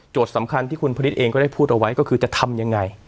โจทย์สำคัญที่คุณพลิตเองก็ได้พูดเอาไว้ก็คือจะทำยังไง